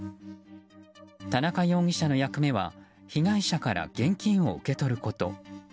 田中容疑者の役目は被害者から現金を受け取ること。